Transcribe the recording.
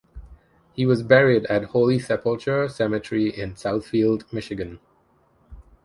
He was buried at Holy Sepulchre Cemetery, in Southfield, Michigan.